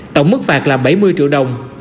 tổng mức phạt là bảy mươi triệu đồng